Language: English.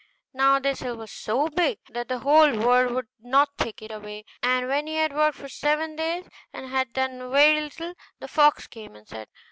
Now this hill was so big that the whole world could not take it away: and when he had worked for seven days, and had done very little, the fox came and said.